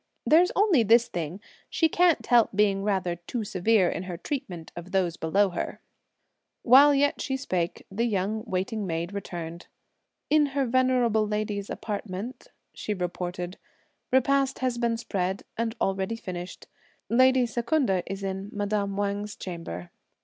There's only this thing, she can't help being rather too severe in her treatment of those below her." While yet she spake, the young waiting maid returned. "In her venerable lady's apartment," she reported, "repast has been spread, and already finished; lady Secunda is in madame Wang's chamber."